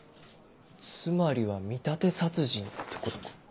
つまりは見立て殺人ってことか。